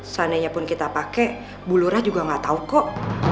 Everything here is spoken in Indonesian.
sanenya pun kita pakai bulurah juga gak tau kok